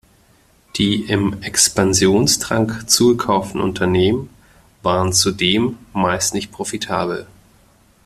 Die im Expansionsdrang zugekauften Unternehmen waren zudem meist nicht profitabel.